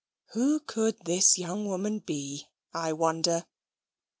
Who could this young woman be, I wonder?